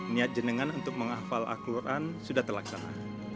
niat jenengan untuk menghafal al quran sudah terlaksana